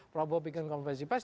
prabowo bikin konfirmasi pes